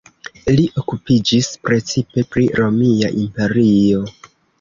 Li okupiĝis precipe pri Romia Imperio.